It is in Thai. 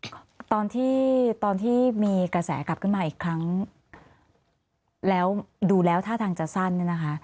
ก็ตอนที่ตอนที่มีกระแสกลับขึ้นมาอีกครั้งแล้วดูแล้วท่าทางจะสั้นเนี่ยนะคะ